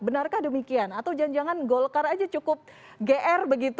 benarkah demikian atau jangan jangan golkar aja cukup gr begitu